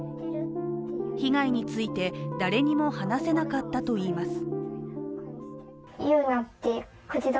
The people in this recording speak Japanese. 被害について、誰にも話せなかったといいます。